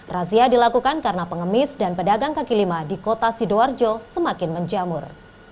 razia dilakukan karena pengemis dan pedagang kaki lima di kota sidoarjo semakin menjamur